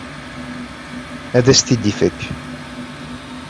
Ad as-t-id-ifek.